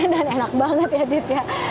dan enak banget ya dit ya